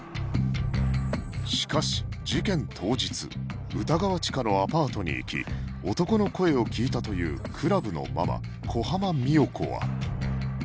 しかし事件当日歌川チカのアパートに行き男の声を聞いたというクラブのママ小浜三代子は